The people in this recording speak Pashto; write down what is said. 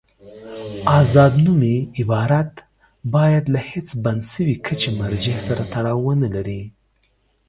آزاد نومي عبارت باید له هېڅ بند شوي کچې مرجع سره تړاو ونلري.